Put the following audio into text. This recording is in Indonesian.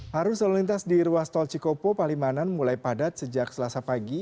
harus lalu lintas di ruas tol cikopo palimanan mulai padat sejak selasa pagi